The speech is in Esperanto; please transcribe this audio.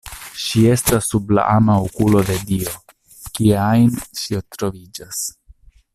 Ŝi estas sub la ama okulo de Dio, kie ajn ŝi troviĝas.